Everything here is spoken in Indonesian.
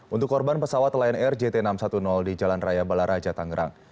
untuk korban pesawat lion air jt enam ratus sepuluh di jalan raya balaraja tangerang